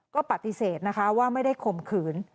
ก็ปฏิเสธนะคะว่าไม่ได้ข่มขืน